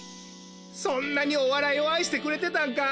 そんなにおわらいをあいしてくれてたんか。